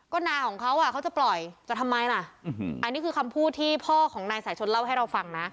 ก็นาของเขาอ่ะเขาจะปล่อยจะทำไมล่ะอันนี้คือคำพูดที่พ่อของนายสายชนเล่าให้เราฟังนะ